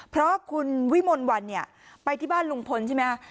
เพราะคุณวิมลวันเนี่ยไปที่บ้านลุงพลใช่ไหมคะ